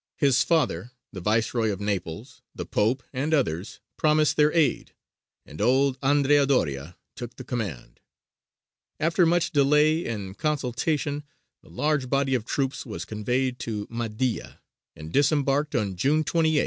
His father, the Viceroy of Naples, the Pope, and others, promised their aid, and old Andrea Doria took the command. After much delay and consultation a large body of troops was conveyed to Mahdīya, and disembarked on June 28, 1550.